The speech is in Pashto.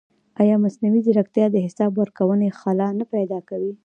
ایا مصنوعي ځیرکتیا د حساب ورکونې خلا نه پیدا کوي؟